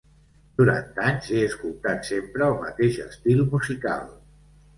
Durant anys he escoltat sempre el mateix estil musical.